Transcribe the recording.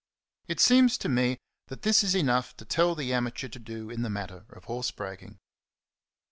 It seems to me that this is enough to tell the amateur to do in the matter of horse breaking.